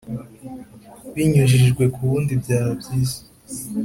binyujijwe ku wundi byaba byiza